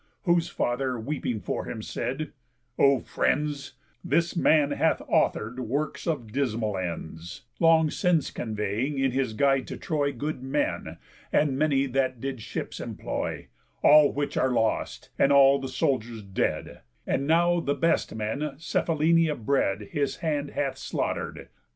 Whose father, weeping for him, said: "O friends, This man hath author'd works of dismal ends, Long since conveying in his guide to Troy Good men, and many that did ships employ, All which are lost, and all their soldiers dead; And now the best men Cephallenia bred His hand hath slaughter'd.